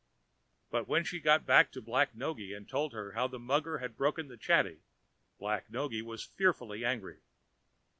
But when she got back to Black Noggy, and told her how the mugger had broken the chatty, Black Noggy was fearfully angry.